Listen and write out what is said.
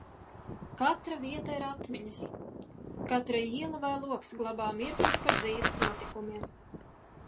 Katra vieta ir atmiņas, katra iela vai logs glabā mirkļus par dzīves notikumiem.